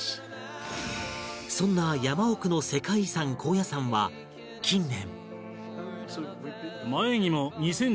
そんな山奥の世界遺産高野山は近年